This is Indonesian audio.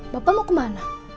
bapak mau kemana